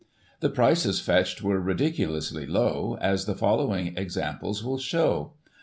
The prices fetched were ridiculously low, as the following examples will show.